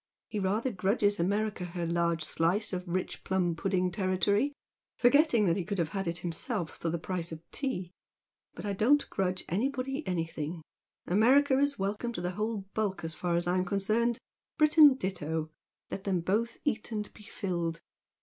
He rather grudges America her large slice of rich plum pudding territory, forgetting that he could have had it himself for the price of tea. But I don't grudge anybody anything America is welcome to the whole bulk as far as I'm concerned Britain ditto, let them both eat and be filled.